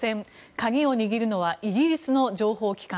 鍵を握るのはイギリスの情報機関。